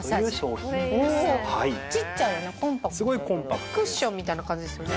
こちらはクッションみたいな感じですよね。